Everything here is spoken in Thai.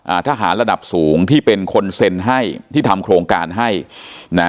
ทหารระดับสูงที่เป็นคนเซ็นให้ที่ทำโครงการให้นะ